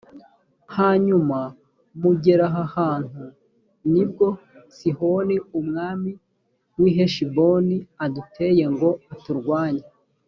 hanyuma mugera aha hantu; ni bwo sihoni umwami w’i heshiboni aduteye ngo aturwanye,